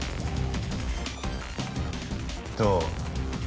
どう？